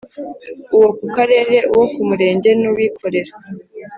uwo ku Karere uwo ku Murenge n uwikorera